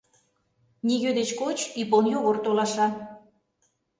Нигӧ деч коч Ипон Йогор толаша...